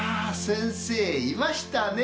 先生いましたね！